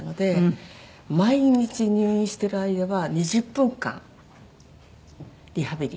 毎日入院してる間は２０分間リハビリ。